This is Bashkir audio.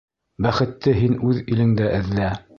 Бәхетте һин үҙ илеңдә эҙлә.